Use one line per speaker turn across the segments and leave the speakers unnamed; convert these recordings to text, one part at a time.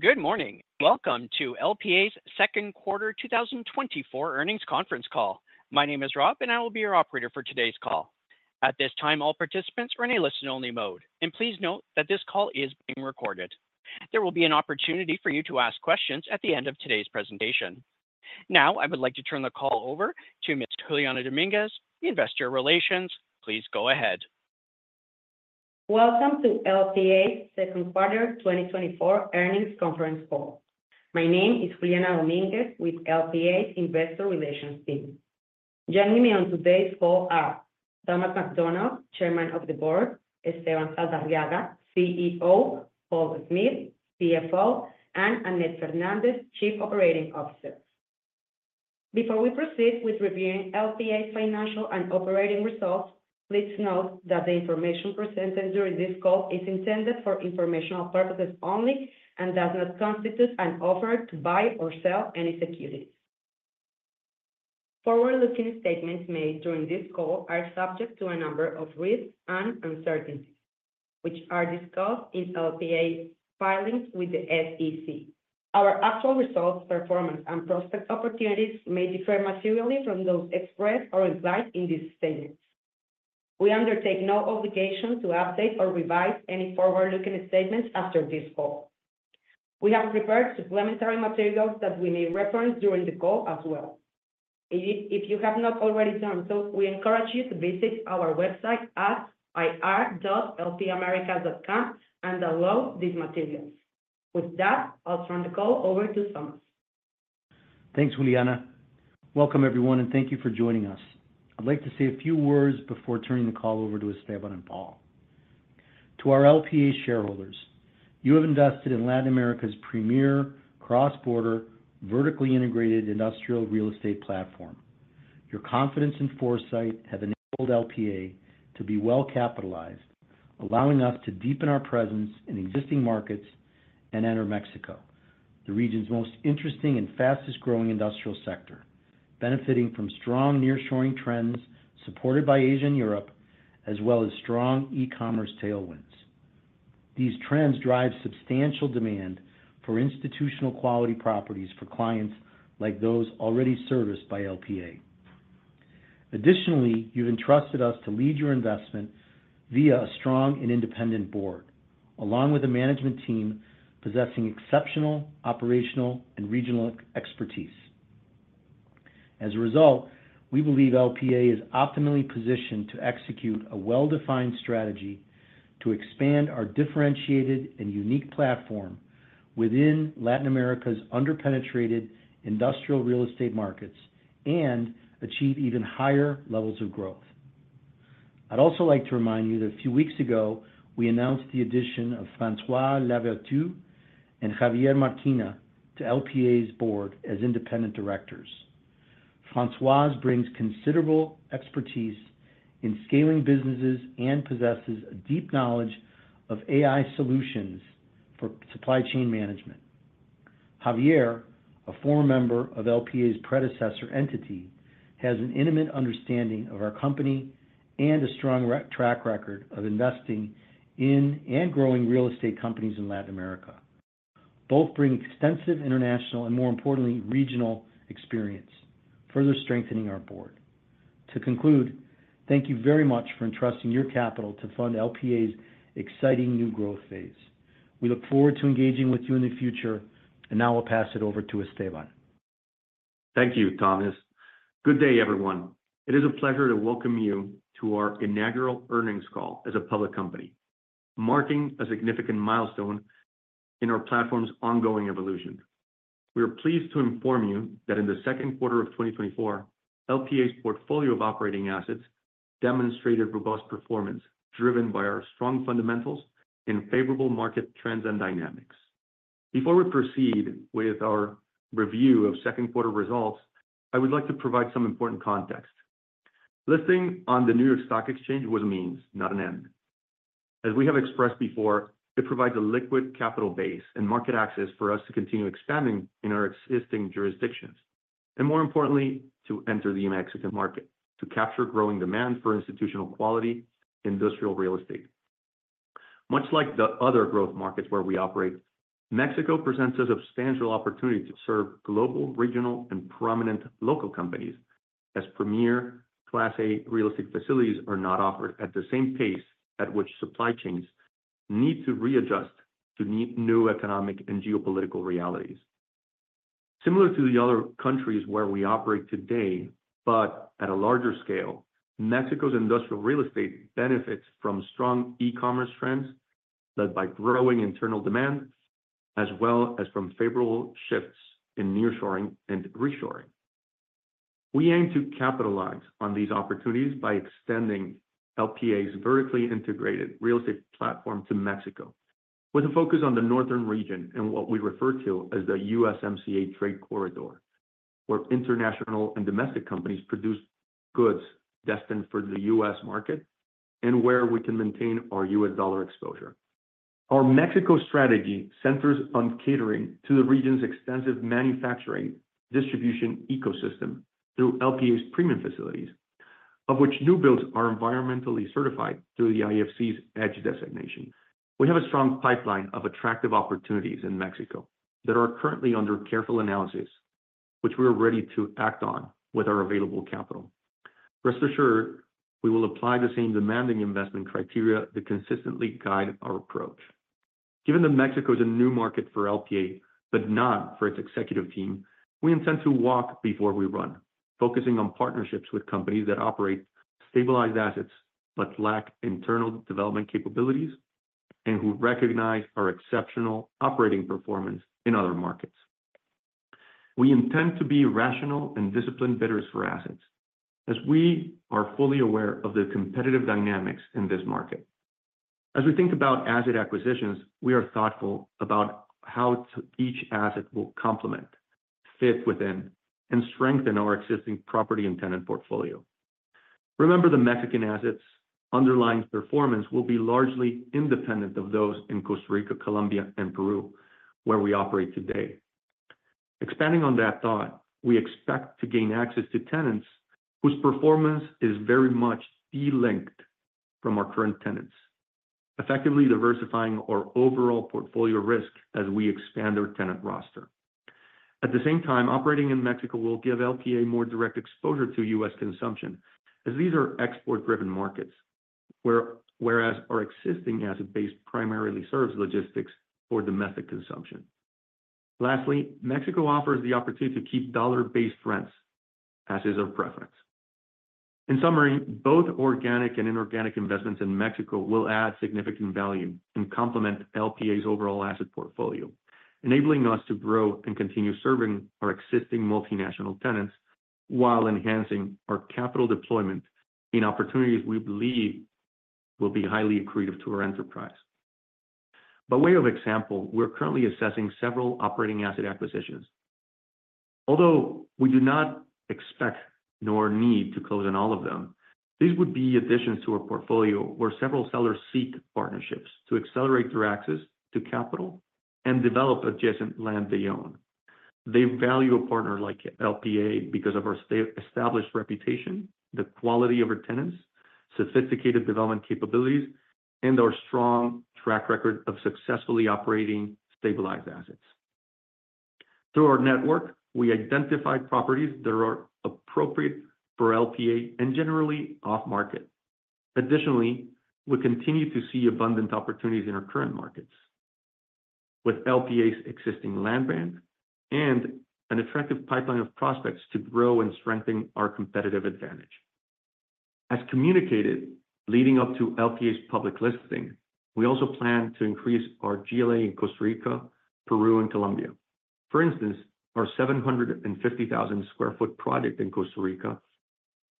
Good morning. Welcome to LPA's second quarter 2024 earnings conference call. My name is Rob, and I will be your operator for today's call. At this time, all participants are in a listen-only mode, and please note that this call is being recorded. There will be an opportunity for you to ask questions at the end of today's presentation. Now, I would like to turn the call over to Ms. Juliana Domínguez, Investor Relations. Please go ahead.
Welcome to LPA's Second Quarter 2024 Earnings Conference Call. My name is Juliana Domínguez with LPA Investor Relations team. Joining me on today's call are Thomas McDonald, Chairman of the Board, Esteban Saldarriaga, CEO, Paul Smith, CFO, and Annette Fernández, Chief Operating Officer. Before we proceed with reviewing LPA's financial and operating results, please note that the information presented during this call is intended for informational purposes only and does not constitute an offer to buy or sell any securities. Forward-looking statements made during this call are subject to a number of risks and uncertainties, which are discussed in LPA filings with the SEC. Our actual results, performance, and prospect opportunities may differ materially from those expressed or implied in these statements. We undertake no obligation to update or revise any forward-looking statements after this call. We have prepared supplementary materials that we may reference during the call as well. If you have not already done so, we encourage you to visit our website at ir.lpaamerica.com and download these materials. With that, I'll turn the call over to Thomas.
Thanks, Juliana. Welcome, everyone, and thank you for joining us. I'd like to say a few words before turning the call over to Esteban and Paul. To our LPA shareholders, you have invested in Latin America's premier cross-border, vertically integrated industrial real estate platform. Your confidence and foresight have enabled LPA to be well-capitalized, allowing us to deepen our presence in existing markets and enter Mexico, the region's most interesting and fastest-growing industrial sector, benefiting from strong nearshoring trends supported by Asia and Europe, as well as strong e-commerce tailwinds. These trends drive substantial demand for institutional quality properties for clients like those already serviced by LPA. Additionally, you've entrusted us to lead your investment via a strong and independent board, along with a management team possessing exceptional operational and regional expertise. As a result, we believe LPA is optimally positioned to execute a well-defined strategy to expand our differentiated and unique platform within Latin America's underpenetrated industrial real estate markets and achieve even higher levels of growth. I'd also like to remind you that a few weeks ago, we announced the addition of François Lavertu and Javier Marquina to LPA's board as independent directors. François brings considerable expertise in scaling businesses and possesses a deep knowledge of AI solutions for supply chain management. Javier, a former member of LPA's predecessor entity, has an intimate understanding of our company and a strong track record of investing in and growing real estate companies in Latin America. Both bring extensive international and, more importantly, regional experience, further strengthening our board. To conclude, thank you very much for entrusting your capital to fund LPA's exciting new growth phase. We look forward to engaging with you in the future, and now I'll pass it over to Esteban.
Thank you, Thomas. Good day, everyone. It is a pleasure to welcome you to our inaugural earnings call as a public company, marking a significant milestone in our platform's ongoing evolution. We are pleased to inform you that in the second quarter of 2024, LPA's portfolio of operating assets demonstrated robust performance, driven by our strong fundamentals in favorable market trends and dynamics. Before we proceed with our review of second quarter results, I would like to provide some important context. Listing on the New York Stock Exchange was a means, not an end. As we have expressed before, it provides a liquid capital base and market access for us to continue expanding in our existing jurisdictions, and more importantly, to enter the Mexican market, to capture growing demand for institutional quality, industrial real estate. Much like the other growth markets where we operate, Mexico presents a substantial opportunity to serve global, regional, and prominent local companies as premier Class A real estate facilities are not offered at the same pace at which supply chains need to readjust to new economic and geopolitical realities. Similar to the other countries where we operate today, but at a larger scale, Mexico's industrial real estate benefits from strong e-commerce trends, led by growing internal demand, as well as from favorable shifts in nearshoring and reshoring. We aim to capitalize on these opportunities by extending LPA's vertically integrated real estate platform to Mexico, with a focus on the northern region and what we refer to as the USMCA trade corridor, where international and domestic companies produce goods destined for the U.S. market, and where we can maintain our U.S. dollar exposure. Our Mexico strategy centers on catering to the region's extensive manufacturing distribution ecosystem through LPA's premium facilities, of which new builds are environmentally certified through the IFC's EDGE designation. We have a strong pipeline of attractive opportunities in Mexico that are currently under careful analysis, which we are ready to act on with our available capital. Rest assured, we will apply the same demanding investment criteria that consistently guide our approach. Given that Mexico is a new market for LPA, but not for its executive team, we intend to walk before we run, focusing on partnerships with companies that operate stabilized assets but lack internal development capabilities, and who recognize our exceptional operating performance in other markets. We intend to be rational and disciplined bidders for assets, as we are fully aware of the competitive dynamics in this market. As we think about asset acquisitions, we are thoughtful about how each asset will complement, fit within, and strengthen our existing property and tenant portfolio. Remember, the Mexican assets' underlying performance will be largely independent of those in Costa Rica, Colombia and Peru, where we operate today. Expanding on that thought, we expect to gain access to tenants whose performance is very much de-linked from our current tenants, effectively diversifying our overall portfolio risk as we expand our tenant roster. At the same time, operating in Mexico will give LPA more direct exposure to U.S. consumption, as these are export-driven markets, whereas our existing asset base primarily serves logistics for domestic consumption. Lastly, Mexico offers the opportunity to keep dollar-based rents as is our preference. In summary, both organic and inorganic investments in Mexico will add significant value and complement LPA's overall asset portfolio, enabling us to grow and continue serving our existing multinational tenants while enhancing our capital deployment in opportunities we believe will be highly accretive to our enterprise. By way of example, we're currently assessing several operating asset acquisitions. Although we do not expect nor need to close on all of them, these would be additions to our portfolio, where several sellers seek partnerships to accelerate their access to capital and develop adjacent land they own. They value a partner like LPA because of our established reputation, the quality of our tenants, sophisticated development capabilities, and our strong track record of successfully operating stabilized assets. Through our network, we identified properties that are appropriate for LPA and generally off-market. Additionally, we continue to see abundant opportunities in our current markets, with LPA's existing land bank and an attractive pipeline of prospects to grow and strengthen our competitive advantage. As communicated, leading up to LPA's public listing, we also plan to increase our GLA in Costa Rica, Peru and Colombia. For instance, our 750,000 sq ft project in Costa Rica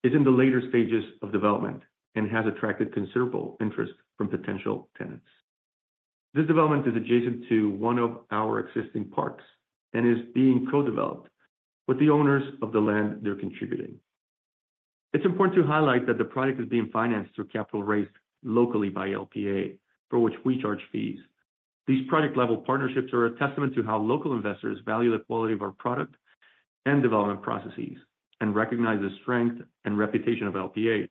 is in the later stages of development and has attracted considerable interest from potential tenants. This development is adjacent to one of our existing parks and is being co-developed, with the owners of the land they're contributing. It's important to highlight that the project is being financed through capital raised locally by LPA, for which we charge fees. These project-level partnerships are a testament to how local investors value the quality of our product and development processes, and recognize the strength and reputation of LPA,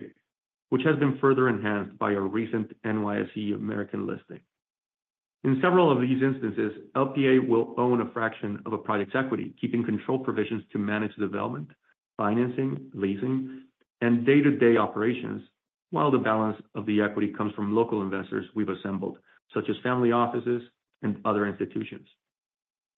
which has been further enhanced by our recent NYSE American listing. In several of these instances, LPA will own a fraction of a project's equity, keeping control provisions to manage the development, financing, leasing, and day-to-day operations, while the balance of the equity comes from local investors we've assembled, such as family offices and other institutions.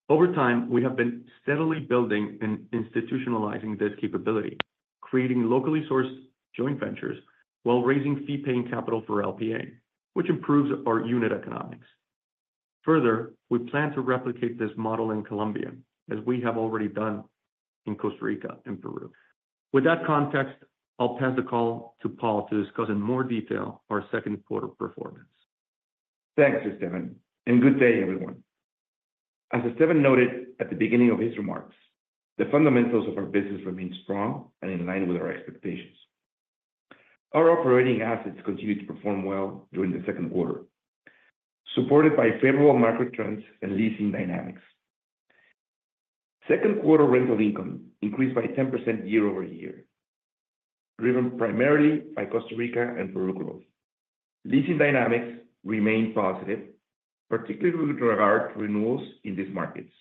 Over time, we have been steadily building and institutionalizing this capability, creating locally sourced joint ventures while raising fee-paying capital for LPA, which improves our unit economics. Further, we plan to replicate this model in Colombia, as we have already done in Costa Rica and Peru. With that context, I'll pass the call to Paul to discuss in more detail our second quarter performance.
Thanks, Esteban, and good day, everyone. As Esteban noted at the beginning of his remarks, the fundamentals of our business remain strong and in line with our expectations. Our operating assets continued to perform well during the second quarter, supported by favorable market trends and leasing dynamics. Second quarter rental income increased by 10% year-over-year, driven primarily by Costa Rica and Peru growth. Leasing dynamics remain positive, particularly with regard to renewals in these markets.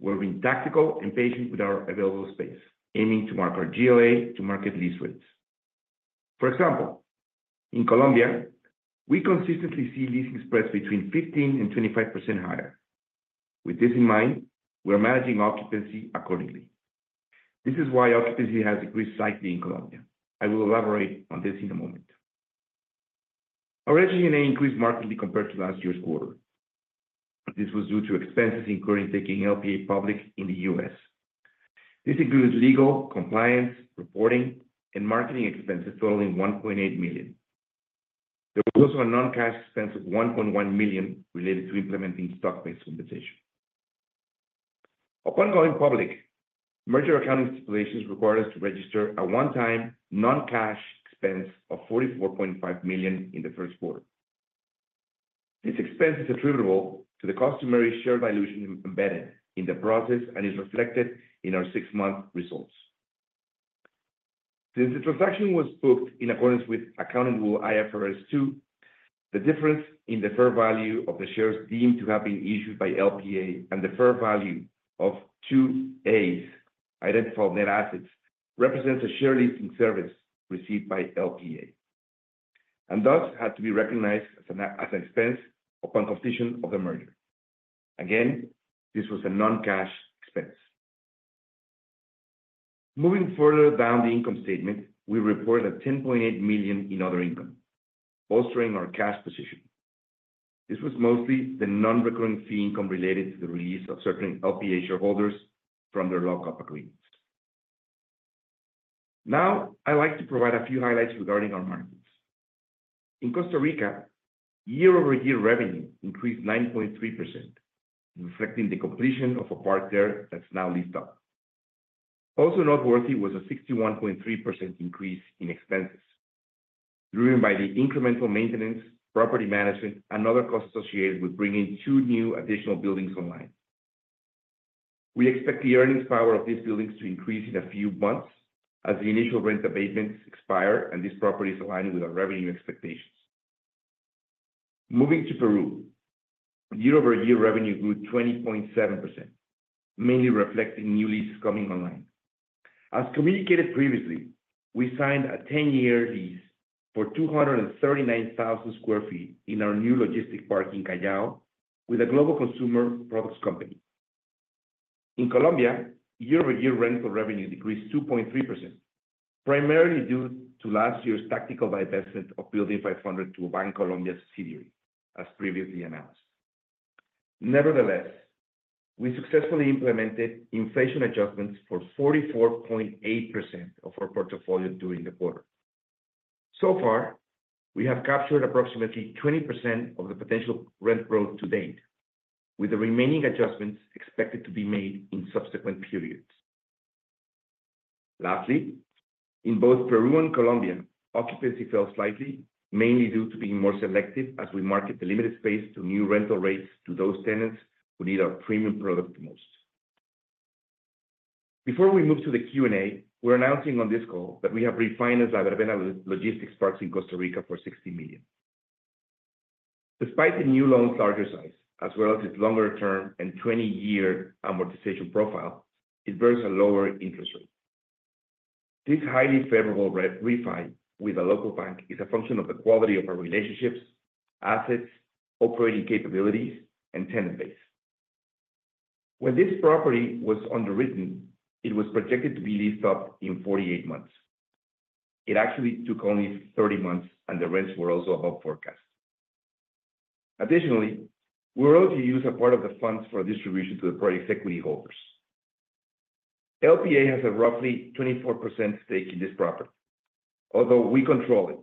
We're being tactical and patient with our available space, aiming to mark our GLA to market lease rates. For example, in Colombia, we consistently see leasing spreads between 15% and 25% higher. With this in mind, we are managing occupancy accordingly. This is why occupancy has decreased slightly in Colombia. I will elaborate on this in a moment. Our G&A increased markedly compared to last year's quarter. This was due to expenses incurred in taking LPA public in the U.S. This includes legal, compliance, reporting, and marketing expenses totaling $1.8 million. There was also a non-cash expense of $1.1 million related to implementing stock-based compensation. Upon going public, merger accounting stipulations required us to register a one-time non-cash expense of $44.5 million in the first quarter. This expense is attributable to the customary share dilution embedded in the process and is reflected in our six-month results. Since the transaction was booked in accordance with accounting rule IFRS 2, the difference in the fair value of the shares deemed to have been issued by LPA and the fair value of Two Corp. Identified net assets represents a share listing service received by LPA, and thus had to be recognized as an expense upon completion of the merger. Again, this was a non-cash expense. Moving further down the income statement, we report $10.8 million in other income, bolstering our cash position. This was mostly the non-recurring fee income related to the release of certain LPA shareholders from their lock-up agreements. Now, I'd like to provide a few highlights regarding our markets. In Costa Rica, year-over-year revenue increased 9.3%, reflecting the completion of a park there that's now leased up. Also noteworthy was a 61.3% increase in expenses, driven by the incremental maintenance, property management, and other costs associated with bringing two new additional buildings online. We expect the earnings power of these buildings to increase in a few months as the initial rent abatements expire and these properties aligning with our revenue expectations. Moving to Peru, year-over-year revenue grew 20.7%, mainly reflecting new leases coming online. As communicated previously, we signed a 10-year lease for 239,000 sq ft in our new logistic park in Callao with a global consumer products company. In Colombia, year-over-year rental revenue decreased 2.3%, primarily due to last year's tactical divestment of Building 500 to Bancolombia S.A., as previously announced. Nevertheless, we successfully implemented inflation adjustments for 44.8% of our portfolio during the quarter. So far, we have captured approximately 20% of the potential rent growth to date, with the remaining adjustments expected to be made in subsequent periods. Lastly, in both Peru and Colombia, occupancy fell slightly, mainly due to being more selective as we market the limited space to new rental rates to those tenants who need our premium product the most. Before we move to the Q&A, we're announcing on this call that we have refinanced our Verbena Logistics Parks in Costa Rica for $60 million. Despite the new loan's larger size, as well as its longer term and 20-year amortization profile, it bears a lower interest rate. This highly favorable refi with a local bank is a function of the quality of our relationships, assets, operating capabilities, and tenant base. When this property was underwritten, it was projected to be leased up in 48 months. It actually took only 30 months, and the rents were also above forecast. Additionally, we were able to use a part of the funds for distribution to the project's equity holders. LPA has a roughly 24% stake in this property, although we control it.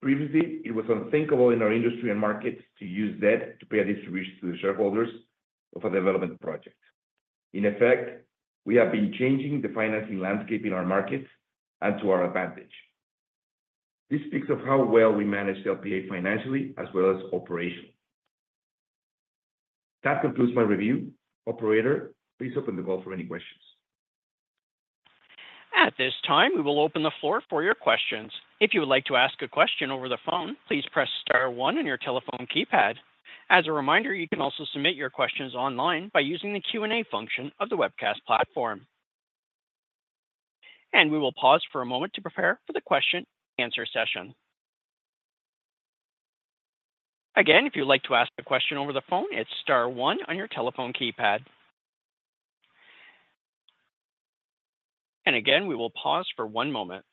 Previously, it was unthinkable in our industry and markets to use debt to pay a distribution to the shareholders of a development project. In effect, we have been changing the financing landscape in our markets and to our advantage. This speaks of how well we manage the LPA financially as well as operationally. That concludes my review. Operator, please open the call for any questions.
At this time, we will open the floor for your questions. If you would like to ask a question over the phone, please press star one on your telephone keypad. As a reminder, you can also submit your questions online by using the Q&A function of the webcast platform. We will pause for a moment to prepare for the question and answer session. Again, if you'd like to ask a question over the phone, it's star one on your telephone keypad. Again, we will pause for one moment.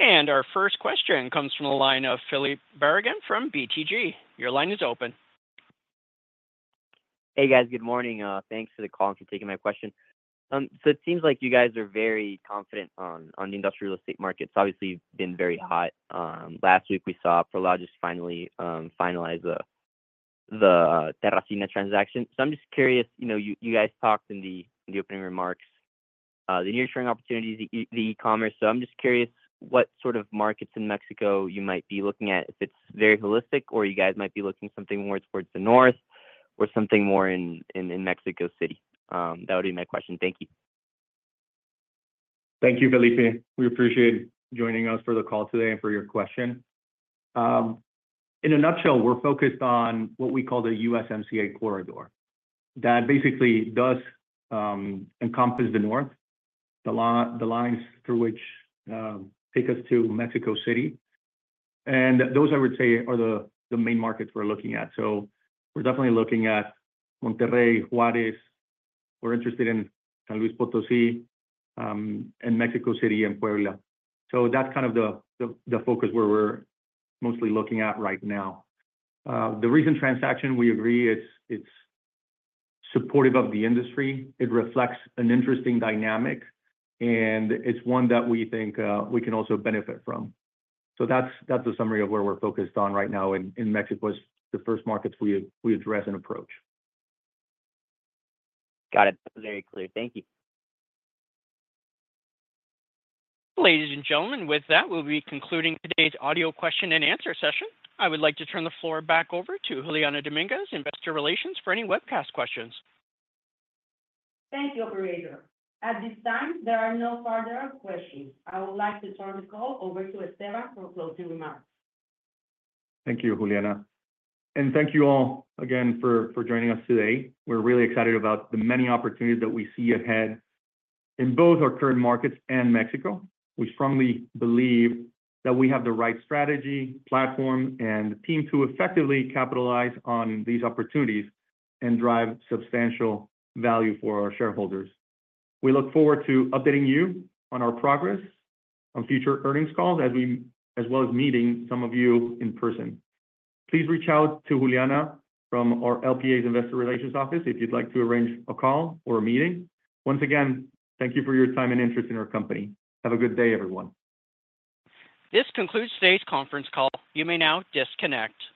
Our first question comes from the line of Felipe Barragán from BTG. Your line is open.
Hey, guys. Good morning. Thanks for the call and for taking my question. So it seems like you guys are very confident on, on the industrial real estate market. It's obviously been very hot. Last week we saw Prologis finally finalize the Terrafina transaction. So I'm just curious, you know, you, you guys talked in the, the opening remarks, the near-term opportunities, the e-commerce. So I'm just curious what sort of markets in Mexico you might be looking at, if it's very holistic or you guys might be looking something more towards the north or something more in, in, in Mexico City? That would be my question. Thank you.
Thank you, Felipe. We appreciate you joining us for the call today and for your question. In a nutshell, we're focused on what we call the USMCA corridor. That basically does encompass the North, the lines through which take us to Mexico City, and those, I would say, are the main markets we're looking at. So we're definitely looking at Monterrey, Juárez. We're interested in San Luis Potosí, and Mexico City and Puebla. So that's kind of the focus where we're mostly looking at right now. The recent transaction, we agree, it's supportive of the industry. It reflects an interesting dynamic, and it's one that we think we can also benefit from. So that's a summary of where we're focused on right now in Mexico, is the first markets we address and approach.
Got it. Very clear. Thank you.
Ladies and gentlemen, with that, we'll be concluding today's audio question and answer session. I would like to turn the floor back over to Juliana Domínguez, Investor Relations, for any webcast questions.
Thank you, operator. At this time, there are no further questions. I would like to turn the call over to Esteban for closing remarks.
Thank you, Juliana. Thank you all again for joining us today. We're really excited about the many opportunities that we see ahead in both our current markets and Mexico. We strongly believe that we have the right strategy, platform, and team to effectively capitalize on these opportunities and drive substantial value for our shareholders. We look forward to updating you on our progress on future earnings calls as we... as well as meeting some of you in person. Please reach out to Juliana from our LPA's Investor Relations office if you'd like to arrange a call or a meeting. Once again, thank you for your time and interest in our company. Have a good day, everyone.
This concludes today's conference call. You may now disconnect.